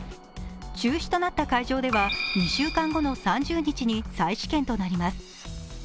中止となった会場では２週間後の３０日に再試験となります。